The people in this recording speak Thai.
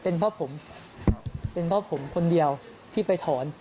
เพราะผมเป็นเพราะผมคนเดียวที่ไปถอน